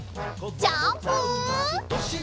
ジャンプ！